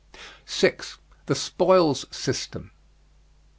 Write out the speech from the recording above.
6. THE SPOILS SYSTEM.